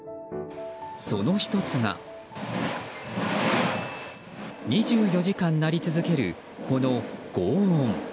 その１つが２４時間鳴り続けるこの轟音。